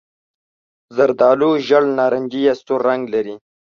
زردالو ژېړ نارنجي یا سور رنګ لري.